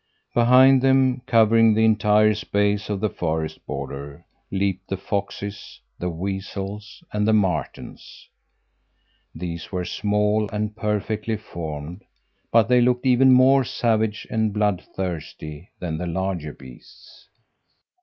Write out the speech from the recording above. Behind them, covering the entire space to the forest border, leaped the foxes, the weasels, and the martens. These were small and perfectly formed, but they looked even more savage and bloodthirsty than the larger beasts.